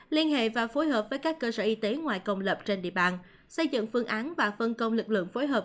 liên hệ và phối hợp với các cơ sở y tế ngoài công lập trên địa bàn xây dựng phương án và phân công lực lượng phối hợp